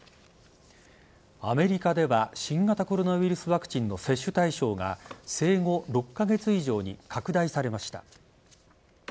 アメリカでは新型コロナウイルスワクチンの接種対象が生後６カ月以上に拡大されました。